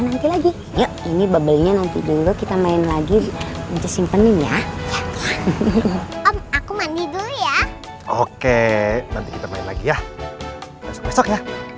oke nanti kita main lagi ya besok besok ya